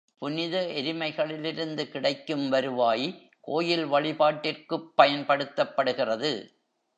புனித எருமைகளிலிருந்து கிடைக்கும் வருவாய் கோயில் வழிபாட்டிற்குப் பயன்படுத்தப்படுகிறது.